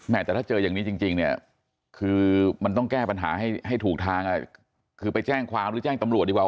แต่ถ้าเจออย่างนี้จริงเนี่ยคือมันต้องแก้ปัญหาให้ถูกทางคือไปแจ้งความหรือแจ้งตำรวจดีกว่า